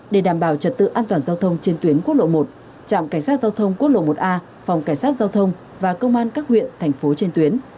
để đảm bảo trật tự an toàn giao thông trên tuyến quốc lộ một trạm cảnh sát giao thông quốc lộ một a phòng cảnh sát giao thông và công an các huyện thành phố trên tuyến